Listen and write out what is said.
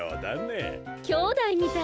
きょうだいみたいね。